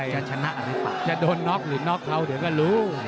จะชนะงทางประมาณนี้จะด้นน้ำหรือเช้าเดี๋ยวก็รู้